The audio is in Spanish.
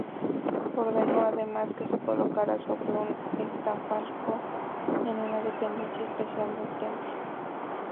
Ordenó, además, que se colocara sobre un catafalco en una dependencia especial del templo.